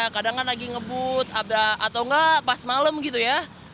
kadang kan lagi ngebut atau enggak pas malam gitu ya